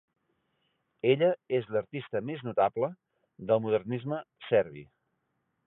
Ella és l'artista més notable del modernisme serbi.